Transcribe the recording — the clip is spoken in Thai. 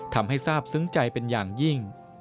ทำให้ทราบซึ้งใจเป็นอย่างยิ่ง